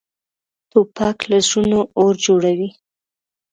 توپک له زړونو اور جوړوي.